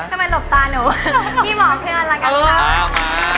ทำไมหลบตาหนูพี่หมอเชิญละกันครับ